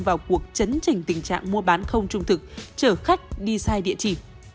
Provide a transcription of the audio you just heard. vào cuộc chấn trình tình trạng mua bán không trung thực chở khách đi sai địa chỉ